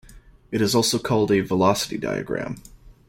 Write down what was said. It is also called a velocity diagram.